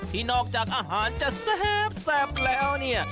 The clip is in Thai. ที่นอกจากอาหารจะแซ่บแล้วเนี่ย